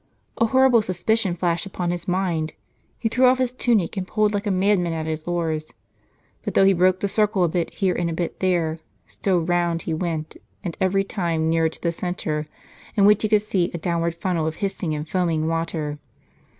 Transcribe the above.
A horrible suspi cion flashed upon his mind : he threw off his tunic and pulled like a madman at his oars. But though he broke the circle a bit here and a bit there, still round he went, and every time nearer to the centre, in which he could see a downward funnel of hissing and foaming water.